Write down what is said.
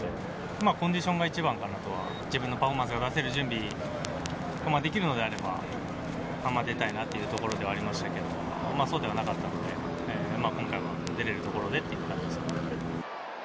まあ、コンディションが一番かなとは、自分のパフォーマンスが出せる準備、できるのであれば、出たいなっていうところではありましたけど、そうではなかったので、今回は出れるところでという感じですかね。